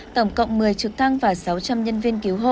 tổng cộng một mươi trực thăng và sáu trăm linh nhân viên cứu hộ